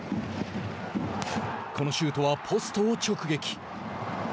このシュートはポストを直撃。